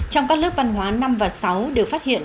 trong các lớp văn hóa năm và sáu đều phát hiện